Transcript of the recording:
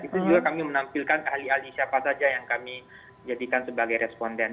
itu juga kami menampilkan ahli ahli siapa saja yang kami jadikan sebagai responden